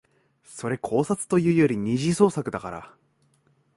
それ考察というより二次創作だから